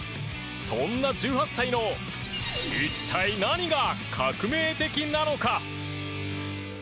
そんな１８歳の一体何が革命的なのか？